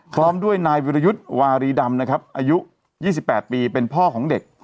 พร้อมด้วยนายวิรยุทธ์วารีดำนะครับอายุ๒๘ปีเป็นพ่อของเด็ก